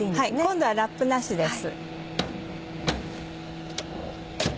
今度はラップなしです。